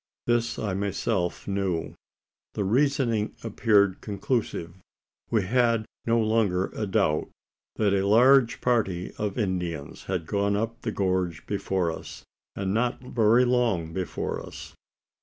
This I myself knew. The reasoning appeared conclusive. We had no longer a doubt that a large party of Indians had gone up the gorge before us, and not very long before us.